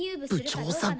部長さん